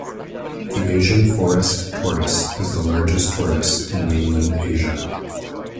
The Asian forest tortoise is the largest tortoise in mainland Asia.